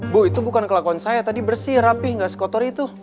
bu itu bukan kelakuan saya tadi bersih rapih gak sekotor itu